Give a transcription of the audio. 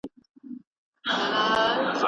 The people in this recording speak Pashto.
شها راغله د نازک حریر پرده کې